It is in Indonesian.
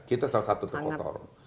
kita salah satu terkotor